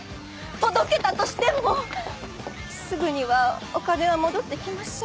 届けたとしてもすぐにはお金は戻って来ません。